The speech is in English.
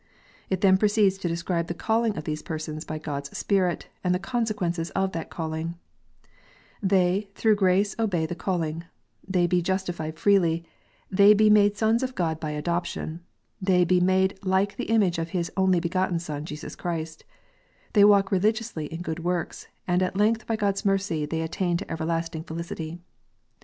It then proceeds to describe the calling of these persons by God s Spirit, and the consequences of that calling ;" They through grace obey the calling : they be justified freely : they be made sons of God l>/ adoption : they be made like the image of His only begotten Son, Jesus Christ ; they walk religiously in good works, and at length by God s mercy they attain to everlasting felicity."